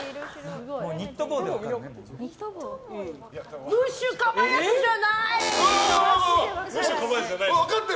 ニット帽で分かった。